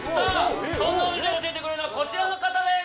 そんなお店で教えてくれるのはこちらの方です！